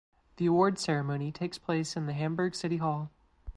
The award ceremony takes place in the Hamburg City Hall.